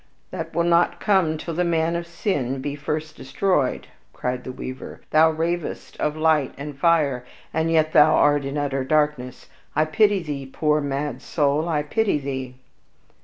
"That will not come till the Man of Sin be first destroyed," cried the weaver; "thou ravest of light and fire, and yet thou art in utter darkness. I pity thee, poor mad soul, I pity thee!"